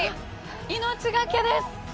命がけです。